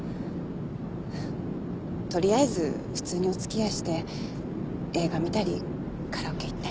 取りあえず普通にお付き合いして映画見たりカラオケ行ったり。